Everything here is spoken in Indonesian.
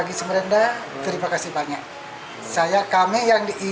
jadi rencana kedepannya ini gimana pak